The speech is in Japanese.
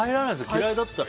嫌いだったら。